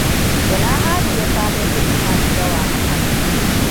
Ina Haryy ya samo kuɗi masu yawa haka?